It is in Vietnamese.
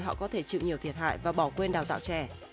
họ có thể chịu nhiều thiệt hại và bỏ quên đào tạo trẻ